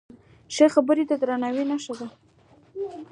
ښې خبرې د درناوي نښه ده.